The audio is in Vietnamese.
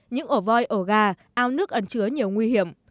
những ổ voi ổ gà ao nước ẩn chứa nhiều nguy hiểm